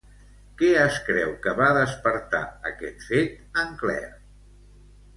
Què es creu que va despertar aquest fet en Claire?